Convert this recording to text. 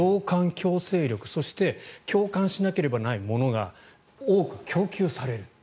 共感強制力、そして共感しなければいけないものが多く供給される。